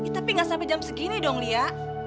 tapi gak sampe jam segini dong lia